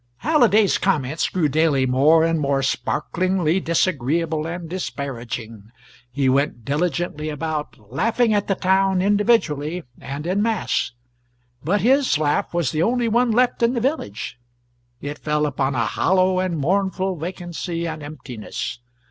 Halliday's comments grew daily more and more sparklingly disagreeable and disparaging. He went diligently about, laughing at the town, individually and in mass. But his laugh was the only one left in the village: it fell upon a hollow and mournful vacancy and emptiness.